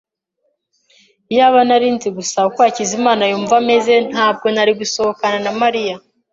Iyaba nari nzi gusa uko Hakizimana yumva ameze, ntabwo nari gusohokana na Mariya.